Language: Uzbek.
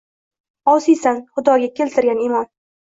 -Osiysan! Xudoga keltirgan imon!